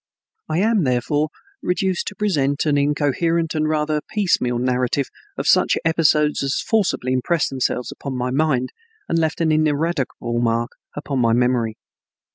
I am, therefore, reduced to present an incoherent and rather piecemeal narrative of such episodes as forcibly impressed themselves upon my mind and left an ineradicable mark upon my memory.